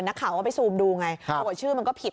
นักข่าวก็ไปซูมดูไงปรากฏชื่อมันก็ผิด